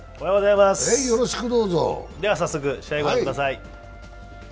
では早速試合ご覧ください。